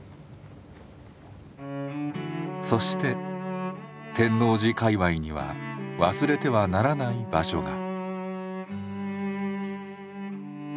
そして天王寺界わいには忘れてはならない場所が。